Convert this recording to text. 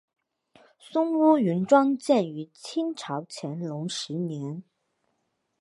松坞云庄建于清朝乾隆十年。